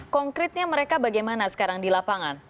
konkretnya mereka bagaimana sekarang di lapangan